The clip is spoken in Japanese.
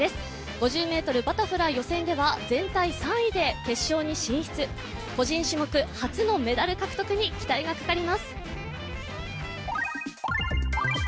５０ｍバタフライ予選では全体３位で決勝に進出、個人種目初のメダル獲得に期待がかかります。